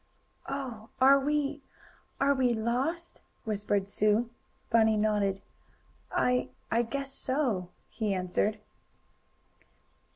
"Oh! Are we are we lost?" whispered Sue. Bunny nodded. "I I guess so," he answered.